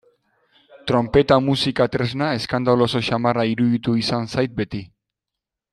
Tronpeta musika tresna eskandaloso samarra iruditu izan zait beti.